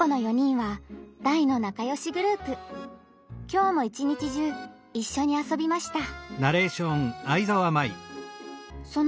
きょうも一日中一緒に遊びました。